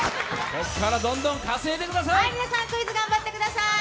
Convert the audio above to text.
ここからどんどん稼いでください。